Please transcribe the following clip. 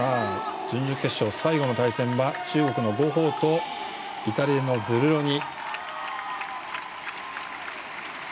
準々決勝、最後の対戦は中国の呉鵬とイタリアのズルロニ。